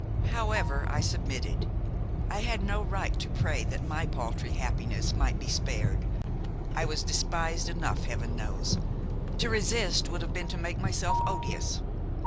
"However I submitted. I had no right to pray that my paltry happiness might be spared; I was despised enough, Heaven knows! to resist would have been to make myself odious.